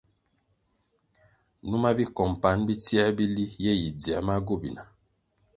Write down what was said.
Numa bicompanʼ bitsiē bili ye yi dziē ma gobina.